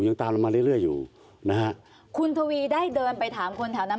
ยังตามเรามาเรื่อยเรื่อยอยู่นะฮะคุณทวีได้เดินไปถามคนแถวนั้น